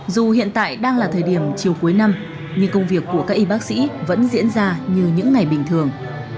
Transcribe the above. dù hiện tại đang là thời điểm chiều cuối năm nhưng công việc của các y bác sĩ vẫn diễn ra như những ngày bình thường